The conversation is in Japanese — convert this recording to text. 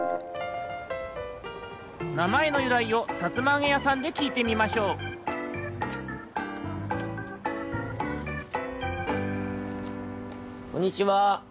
なまえのゆらいをさつまあげやさんできいてみましょうこんにちは。